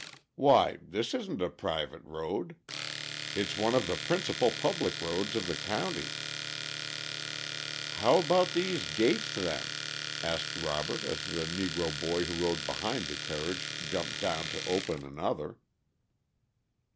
"Why, this isn't a private road. It's one of the principal public roads of the county." "How about these gates then?" asked Robert as the negro boy who rode behind the carriage jumped down to open another.